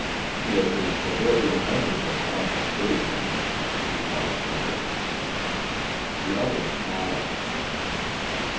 "With his proverbial methods of obfuscation," replied Sedgwick. The other smiled.